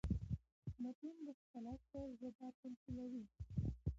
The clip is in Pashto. متون د خپل عصر ژبه تميثلوي.